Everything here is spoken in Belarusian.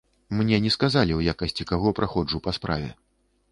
Мне не сказалі, у якасці каго праходжу па справе.